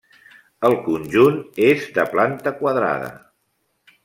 El conjunt és de planta quadrada.